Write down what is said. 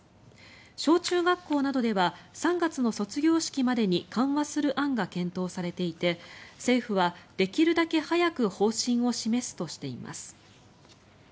小中学校などでは３月の卒業式までに緩和する案が検討されていて政府はできるだけ早く方針を示すとしています。